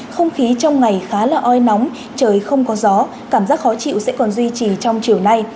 không khí trong ngày khá là oi nóng trời không có gió cảm giác khó chịu sẽ còn duy trì trong chiều nay